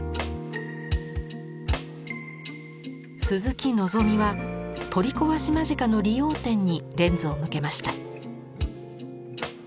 鈴木のぞみは取り壊し間近の理容店にレンズを向けました。